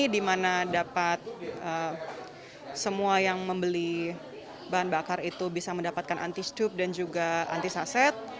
di mana dapat semua yang membeli bahan bakar itu bisa mendapatkan anti scup dan juga anti saset